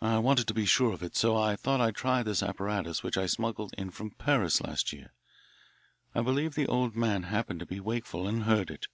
I wanted to be sure of it, so I thought I'd try this apparatus which I smuggled in from Paris last year. I believe the old man happened to be wakeful and heard it."